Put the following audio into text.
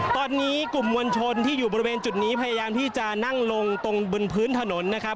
ตอนนี้กลุ่มมวลชนที่อยู่บริเวณจุดนี้พยายามที่จะนั่งลงตรงบนพื้นถนนนะครับ